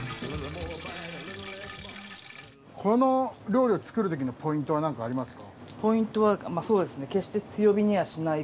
この料理を作るときのポイントは何かありますか？